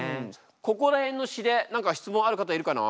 ここら辺の詞で何か質問ある方いるかな？